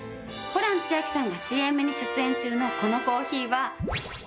ホラン千秋さんがＣＭに出演中のこのコーヒーは。